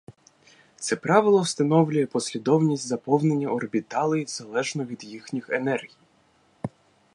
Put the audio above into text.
Це правило встановлює послідовність заповнення орбіталей залежно від їхніх енергій.